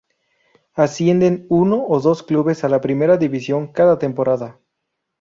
Ascienden uno o dos clubes a la Primera División cada temporada.